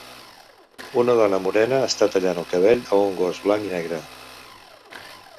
Una dona morena està tallant el cabell a un gos blanc i negre.